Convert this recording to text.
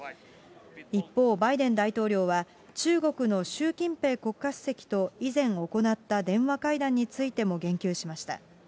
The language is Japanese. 一方、バイデン大統領は、中国の習近平国家主席と以前行った電話会談についても言及しました。